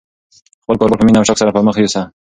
خپل کاروبار په مینه او شوق سره پرمخ یوسه.